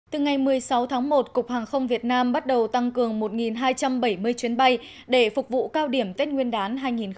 từ ngày một mươi sáu tháng một cục hàng không việt nam bắt đầu tăng cường một hai trăm bảy mươi chuyến bay để phục vụ cao điểm tết nguyên đán hai nghìn hai mươi